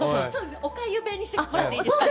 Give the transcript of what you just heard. おかゆ弁にしてもらっていいですか？